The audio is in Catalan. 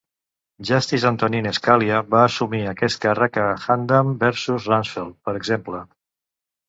Justice Antonin Scalia va assumir aquest càrrec a "Hamdan versus Rumsfeld", per exemple.